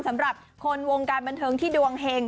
สำหรับคนวงการบันเทิงที่ดวงเห็ง